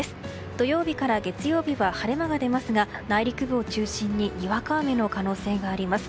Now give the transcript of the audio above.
土曜日から月曜日は晴れ間が出ますが内陸部を中心ににわか雨の可能性があります。